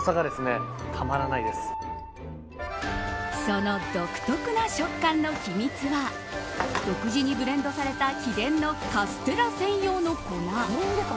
その独特な食感の秘密は独自にブレンドされた秘伝のカステラ専用の粉。